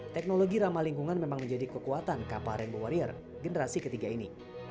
teknologi ramah lingkungan memang menjadi kekuatan kapal rainbow warrior generasi ketiga ini